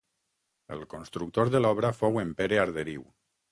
El constructor de l'obra fou en Pere Arderiu.